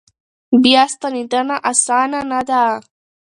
بیا ستنېدنه اسانه نه ده.